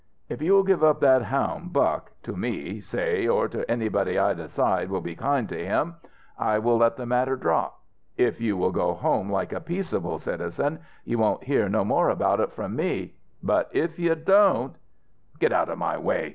If you will give up that houn' Buck to me, say, or to anybody I decide will be kind to him I will let the matter drop. If you will go home like a peaceable citizen, you won't hear no more about it from me; but if you don't " "Git out of my way!"